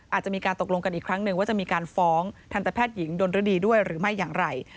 อาจจะมีการตกลงกันอีกครั้งหนึ่งว่าจะมีการฟ้องทันตแพทย์หญิงดนรดีด้วยหรือไม่อย่างไร